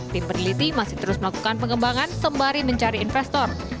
tim peneliti masih terus melakukan pengembangan sembari mencari investor